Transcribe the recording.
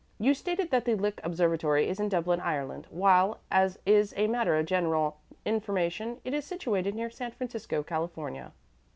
You stated that the Lick Observatory is in Dublin, Ireland, while, as is a matter of general information, it is situated near San Francisco, California.